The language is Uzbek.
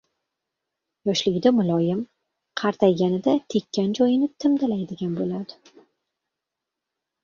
Yoshligida muloyim, qartayganida tekan joyini timdalaydigan bo‘ladi.